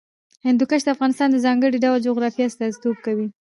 هندوکش د افغانستان د ځانګړي ډول جغرافیه استازیتوب کوي.